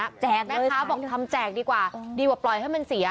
แจกแม่ค้าบอกทำแจกดีกว่าดีกว่าปล่อยให้มันเสีย